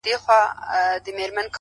ته مي د ښكلي يار تصوير پر مخ گنډلی”